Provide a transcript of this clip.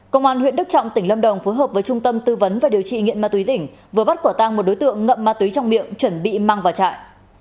công an huyện đức trọng tỉnh lâm đồng phối hợp với trung tâm tư vấn và điều trị nghiện ma túy tỉnh vừa bắt quả tang một đối tượng ngậm ma túy trong miệng chuẩn bị mang vào trại